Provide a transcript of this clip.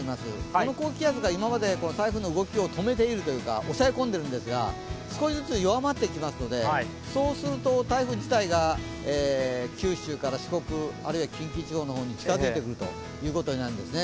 この高気圧が今まで台風の動きを止めているというか、押さえ込んでいるんですが少しずつ弱まってきますのでそうすると、台風自体が九州から四国、あるいは近畿地方の方に近づいてくるということになるんですね。